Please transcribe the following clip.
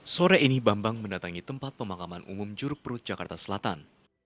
sore ini bambang mendatangi tempat pemakaman umum juruk perut jakarta selatan